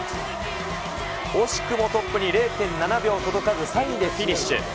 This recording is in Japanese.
惜しくもトップに０．７秒届かず、３位でフィニッシュ。